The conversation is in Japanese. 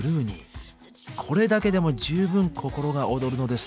これだけでも十分心が躍るのですが。